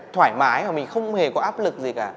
thoải mái và mình không hề có áp lực gì cả